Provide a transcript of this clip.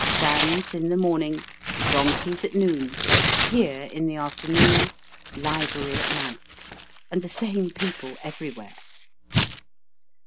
Sands in the morning donkeys at noon pier in the afternoon library at night and the same people everywhere.